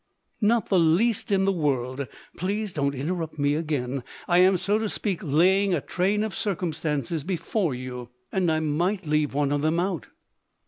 "Not the least in the world. Please don't interrupt me again. I am, so to speak, laying a train of circumstances before you; and I might leave one of them out.